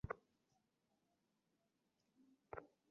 আমি দিল্লিতে ছয় বছর ছিলাম।